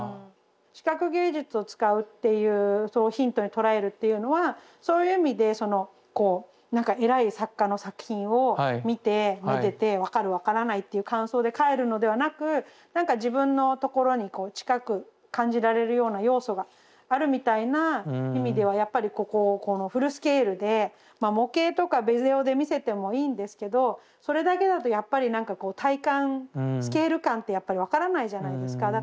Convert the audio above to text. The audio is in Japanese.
視覚芸術を使うっていうそうヒントに捉えるっていうのはそういう意味でこう何か偉い作家の作品を見てめでて分かる分からないっていう感想で帰るのではなく何か自分のところにこう近く感じられるような要素があるみたいな意味ではやっぱりここをこのフルスケールでまあ模型とかビデオで見せてもいいんですけどそれだけだとやっぱり何か体感スケール感ってやっぱり分からないじゃないですか。